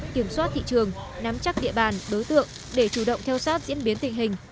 kiểm soát thị trường nắm chắc địa bàn đối tượng để chủ động theo sát diễn biến tình hình